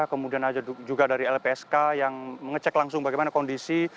kemudian ada juga dari lpsk yang mengecek langsung bagaimana kondisi